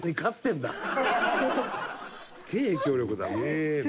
すげえ影響力だな。